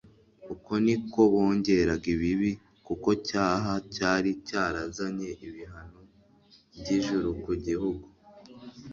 Uko ni ko bongeraga ibibi ku cyaha cyari cyarazanye ibihano byIjuru ku gihugu